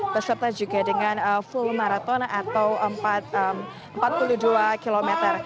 beserta juga dengan full marathon atau empat puluh dua km